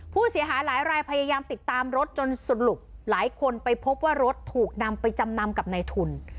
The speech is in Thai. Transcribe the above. ผู้เสียหายหลายรายพยายามติดตามรถจนสรุปหลายคนไปพบว่ารถถูกนำไปจำนำกับในทุน